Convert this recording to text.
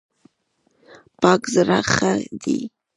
پاک زړه ښه دی.